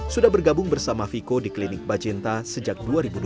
sudah bergabung bersama viko di klinik bacenta sejak dua ribu dua puluh satu